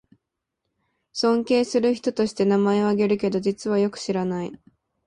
尊敬する人として名前をあげるけど、実はよく知らない